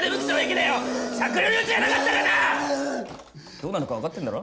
どうなるかわかってんだろ？